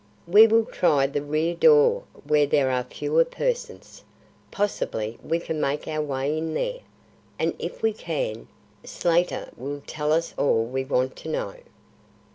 "We will try the rear door where there are fewer persons. Possibly we can make our way in there, and if we can, Slater will tell us all we want to know."